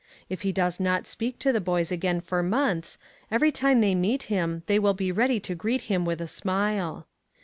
If he does not speak to the boys again for months, every time they meet him they will be ready to greet him with a smile.